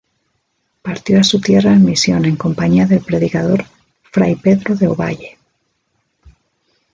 Partió a su tierra en misión en compañía del Predicador, Fray Pedro de Ovalle.